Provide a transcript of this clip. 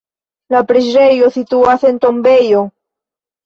La preĝejo situas en tombejo.